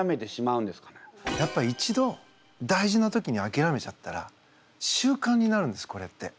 やっぱ一度大事な時にあきらめちゃったら習慣になるんですこれって。